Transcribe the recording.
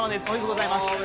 おめでとうございます。